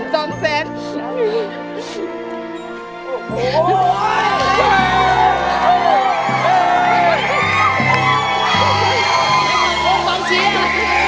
ขอบคุณครับ